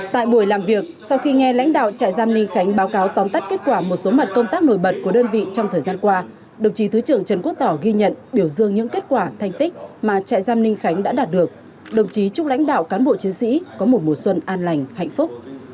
tại buổi làm việc sau khi nghe lãnh đạo trại giam ninh khánh báo cáo tóm tắt kết quả một số mặt công tác nổi bật của đơn vị trong thời gian qua đồng chí thứ trưởng trần quốc tỏ ghi nhận biểu dương những kết quả thành tích mà trại giam ninh khánh đã đạt được đồng chí chúc lãnh đạo cán bộ chiến sĩ có một mùa xuân an lành hạnh phúc